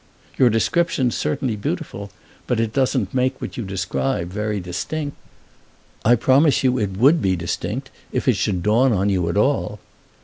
"Your description's certainly beautiful, but it doesn't make what you describe very distinct." "I promise you it would be distinct if it should dawn on you at all."